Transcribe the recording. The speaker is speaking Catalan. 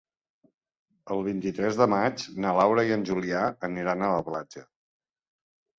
El vint-i-tres de maig na Laura i en Julià aniran a la platja.